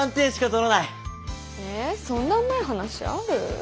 えそんなうまい話ある？